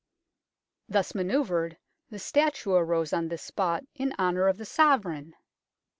Thus manoeuvred, the statue arose on this spot in honour of the Sovereign